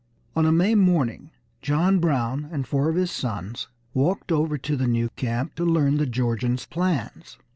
On a May morning John Brown and four of his sons walked over to the new camp to learn the Georgians' plans.